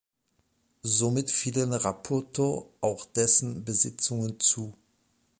Somit fielen Rapoto auch dessen Besitzungen zu.